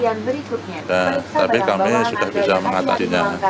tidak tapi kami sudah bisa mengatasi nya